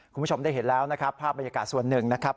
คุณผู้ชมได้เห็นแล้วนะครับภาพบรรยากาศส่วนหนึ่งนะครับ